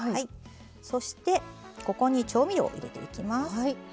そしてここに調味料を入れていきます。